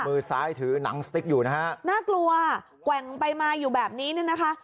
มือซ้ายถือหนังสติ๊กอยู่นะฮะน่ากลัวแกว่งไปมาอยู่แบบนี้เนี่ยนะคะ